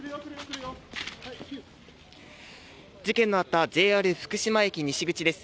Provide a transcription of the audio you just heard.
事件のあったＪＲ福島駅西口です。